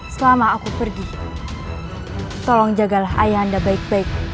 selama aku pergi tolong jagalah ayah anda baik baik